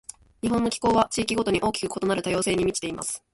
日本の気候は、地域ごとに大きく異なる多様性に満ちています。